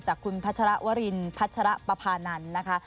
จากคุณพัชรวรินพัชรปภานันทร์นะคะ